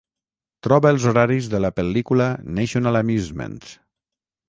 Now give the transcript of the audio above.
Troba els horaris de la pel·lícula National Amusements.